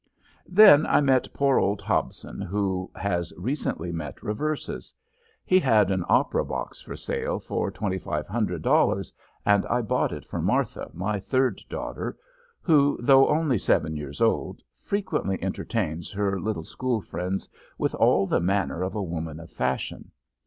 Then I met poor old Hobson, who has recently met reverses. He had an opera box for sale for $2,500, and I bought it for Martha, my third daughter, who, though only seven years old, frequently entertains her little school friends with all the manner of a woman of fashion.